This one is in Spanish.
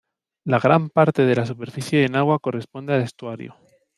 La gran parte de la superficie en agua corresponde al estuario.